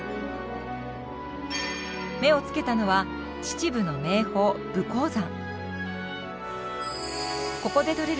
目をつけたのは秩父の名峰武甲山。